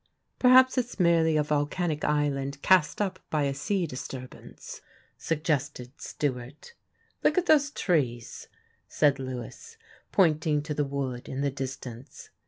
"Perhaps it's merely a volcanic island cast up by a sea disturbance," suggested Stewart. "Look at those trees," said Lewis, pointing to the wood in the distance.